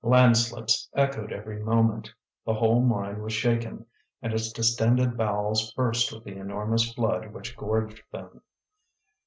Landslips echoed every moment. The whole mine was shaken, and its distended bowels burst with the enormous flood which gorged them.